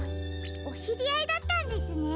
おしりあいだったんですね。